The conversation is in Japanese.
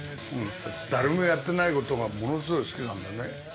誰もやってないことがものすごい好きなんだよね。